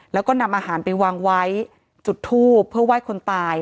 แล้วก็นำอาหารไปวางไว้จุดทูบเพื่อไหว้คนตาย